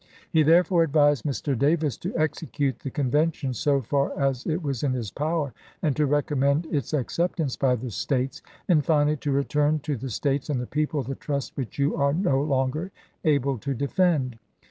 He therefore advised Mr. Davis to execute the conven tion so far as it was in his power, and to recommend its acceptance by the States, and finally to " return to the States and the people the trust which you are no longer able to defend."